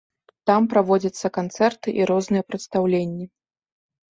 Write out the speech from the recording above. Там праводзяцца канцэрты і розныя прадстаўленні.